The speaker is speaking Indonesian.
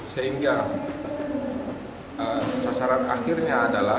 sehingga sasaran akhirnya adalah